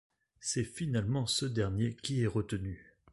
C'est finalement ce dernier qui est retenu.